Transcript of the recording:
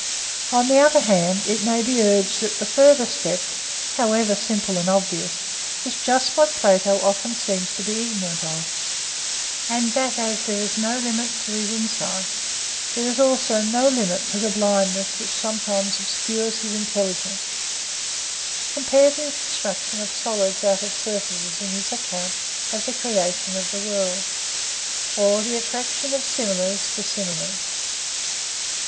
On the other hand it may be urged that the further step, however simple and obvious, is just what Plato often seems to be ignorant of, and that as there is no limit to his insight, there is also no limit to the blindness which sometimes obscures his intelligence (compare the construction of solids out of surfaces in his account of the creation of the world, or the attraction of similars to similars).